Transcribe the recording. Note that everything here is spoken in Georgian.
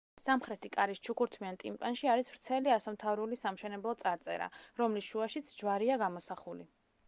სამხრეთი კარის ჩუქურთმიან ტიმპანში არის ვრცელი ასომთავრული სამშენებლო წარწერა, რომლის შუაშიც ჯვარია გამოსახული.